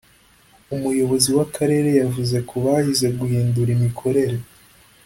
umuyobozi w’Akarere yavuze ko bahize guhindura imikorere